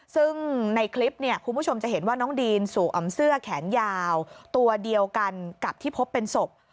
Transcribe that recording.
ซึ่งในคลิปเนี่ยคุณผู้ชมจะเห็นว่าน้องดีนสวมเสื้อแขนยาวตัวเดียวกันกับที่พบเป็นศพ